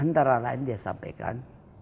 antara lain dia sampaikan